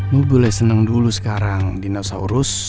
ibu boleh seneng dulu sekarang dinosaurus